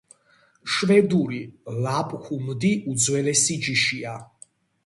შვედური ლაპჰუნდი უძველესი ჯიშია.